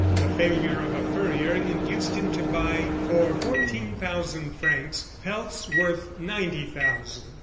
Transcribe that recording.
The failure of a furrier induced him to buy for fourteen thousand francs pelts worth ninety thousand.